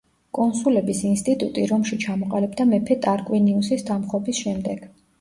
კონსულების ინსტიტუტი რომში ჩამოყალიბდა მეფე ტარკვინიუსის დამხობის შემდეგ.